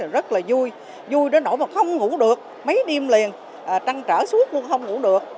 rất là vui vui đến nỗi mà không ngủ được mấy đêm liền trăng trở xuống nhưng không ngủ được